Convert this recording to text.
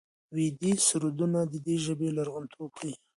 ویدي سرودونه د دې ژبې لرغونتوب ښيي.